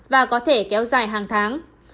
và có thể kéo dài hàng tháng